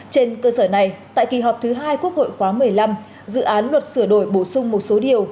trên cơ sở này tại kỳ họp thứ hai quốc hội khóa một mươi năm dự án luật sửa đổi bổ sung một số điều